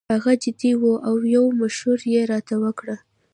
هغه جدي وو او یو مشوره یې راته ورکړه.